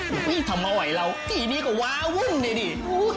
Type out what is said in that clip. อุ๊ยทำไมเอาไว้เราทีนี้ก็ว้าวุ่นดี